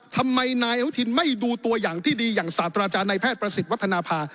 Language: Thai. ทำไมนายอนุทินไม่ดูตัวอย่างที่ดีอย่างศาสตราจารย์นายแพทย์ประสิทธิ์วัฒนภา